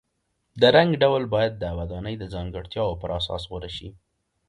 د رنګ ډول باید د ودانۍ د ځانګړتیاو پر اساس غوره شي.